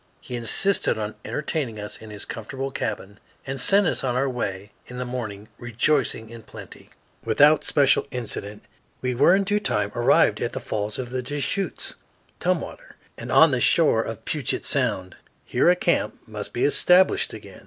He insisted on entertaining us in his comfortable cabin, and sent us on our way in the morning, rejoicing in plenty. Without special incident we in due time arrived at the falls of the Deschutes (Tumwater) and on the shore of Puget Sound. Here a camp must be established again.